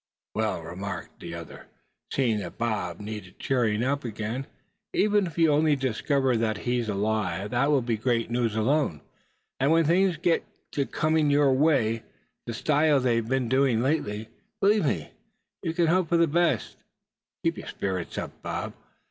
"Well," remarked the other, seeing that Bob needed cheering up again, "even if you only discover that he is alive, that will be great news alone. And when things get to coming your way the style they've been doing lately, believe me, you can hope for the best. Keep your spirits up, Bob.